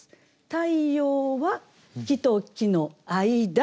「太陽は木と木の間」。